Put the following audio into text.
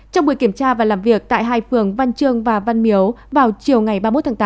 trong buổi kiểm tra và làm việc tại hai phường văn chương và văn miếu vào chiều ngày ba mươi một tháng tám